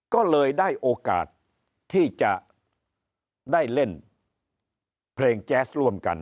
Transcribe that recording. ก็เลยได้โอกาสที่จะได้เล่นเพลงแจ๊สร่วมกัน